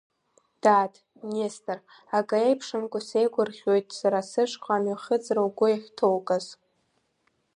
Дад, Нестор, акы еиԥшымкәа сеигәрӷьоит сара сышҟа амҩахыҵра угәы иахьҭоукыз.